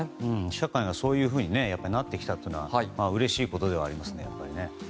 社会がそういうふうになってきたことはやっぱりうれしいことですね。